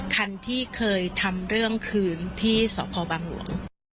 คันที่เคยทำเรื่องคืนที่สพบังหลวง